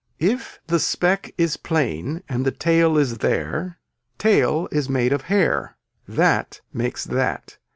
If the speck is plain and the tail is there tail is made of hair. That makes that.